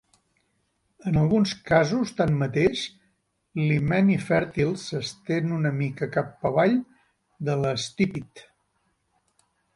En alguns casos tanmateix l'himeni fèrtil s'estén una mica cap avall de l'estípit.